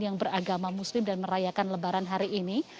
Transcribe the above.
yang beragama muslim dan merayakan lebaran hari ini